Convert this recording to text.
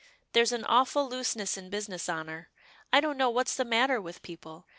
There's an awful looseness in business honour. I don't know what's the matter with the people.